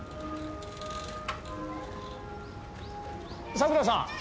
佐倉さん！